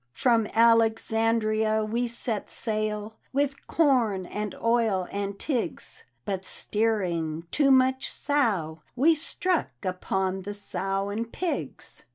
" From Alexandria we set sail, With corn, and oil, and tigs, But steering ' too much Sow,' we struck Upon the Sow and Pigs!